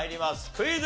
クイズ。